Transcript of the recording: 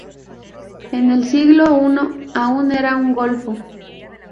En el siglo I aún era un golfo.